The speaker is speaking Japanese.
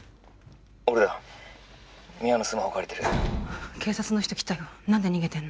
☎俺だ三輪のスマホを借りてる警察の人来たよ何で逃げてんの？